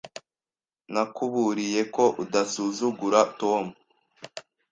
Nakuburiye ko udasuzugura Tom.